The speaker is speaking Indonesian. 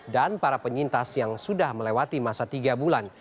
dan para penyintas yang sudah melewati masa tiga bulan